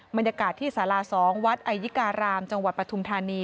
บรรยากาศที่สารา๒วัดไอยิการามจังหวัดปฐุมธานี